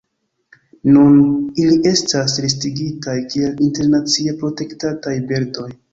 Nun ili estas listigitaj kiel internacie protektataj birdoj.